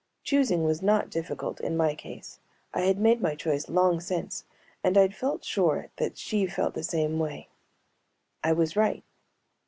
Choosing was not difficult in my case. I had made my choice long since and I'd felt sure that she felt the same way; I was right.